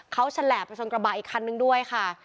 เขาฉลาบไปชนกระบะอีกคันนึงด้วยค่ะ